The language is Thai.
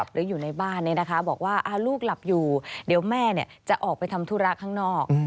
หรืออยู่ในบ้านบอกว่าลูกหลับอยู่เดี๋ยวแม่จะออกไปทำธุระข้างนอก